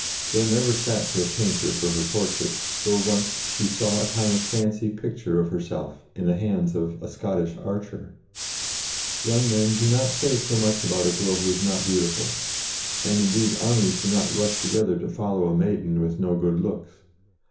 Joan never sat to a painter for her portrait, though once she saw a kind of fancy picture of herself in the hands of a Scottish archer. Young men do not say so much about a girl who is not beautiful, and, indeed, armies do not rush together to follow a maiden with no good looks.